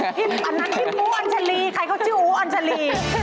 อันนั้นพี่อ้วนอัญชาลีใครเขาชื่ออู๋อัญชาลี